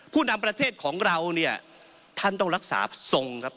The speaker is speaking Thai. ผู้นำประเทศของเราเนี่ยท่านต้องรักษาทรงครับ